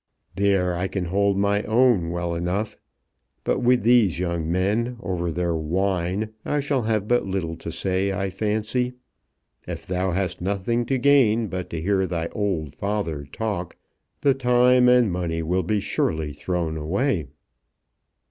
There I can hold my own well enough, but with these young men over their wine, I shall have but little to say, I fancy. If thou hast nothing to gain but to hear thy old father talk, the time and money will be surely thrown away."